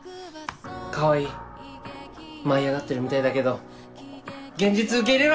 川合舞い上がってるみたいだけど現実受け入れろ！